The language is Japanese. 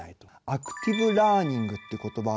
「アクティブラーニング」という言葉